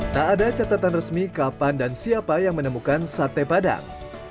tak ada catatan resmi kapan dan siapa yang menemukan sate padang